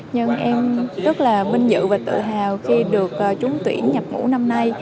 nhưng em rất là vinh dự và tự hào khi được trúng tuyển nhập ngũ năm nay